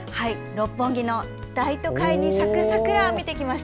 六本木の大都会に咲く桜を見てきました。